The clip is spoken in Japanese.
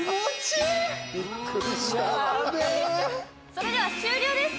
それでは終了です。